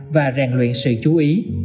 và rèn luyện sự chú ý